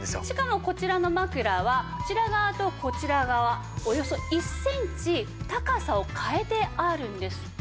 しかもこちらの枕はこちら側とこちら側およそ１センチ高さを変えてあるんです。